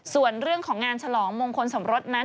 ส่วนเรื่องของงานฉลองมงคลสมรสนั้น